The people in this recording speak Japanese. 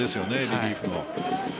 リリーフの。